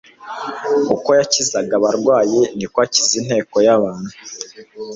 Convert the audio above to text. Uko yakizaga abarwayi niko yakizaga inteko y'abantu.